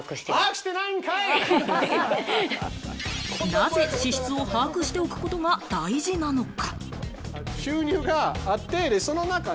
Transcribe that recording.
なぜ支出を把握しておくことが大事なのか？